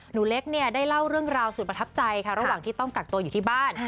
หนูเล็กเนี่ยได้เล่าเรื่องราวสุดประทับใจค่ะระหว่างที่ต้องกักตัวอยู่ที่บ้าน